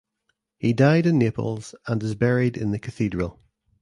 He died in Naples and is buried in the Cathedral.